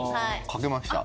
書けました。